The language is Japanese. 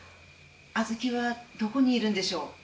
あずきはどこにいるんでしょう